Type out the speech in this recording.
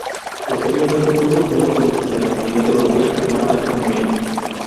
Posteriormente, todos los nuevos miembros de la Comunidad Europea firmaron este Convenio.